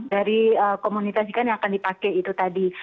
dari komunitas ikan yang akan dipakai itu tadi